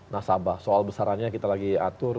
nasabah soal besarannya kita lagi atur